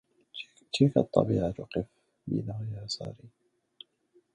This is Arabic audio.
تلك الطبيعة قف بنا يا ساري